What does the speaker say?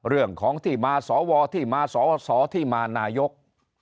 เรื่องของที่มาสวที่มาสอสอที่มานายก